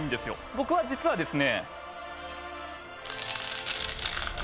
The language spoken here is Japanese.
僕は実はですね。